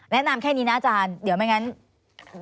แนะนำแค่นี้นะอาจารย์เดี๋ยวไม่งั้น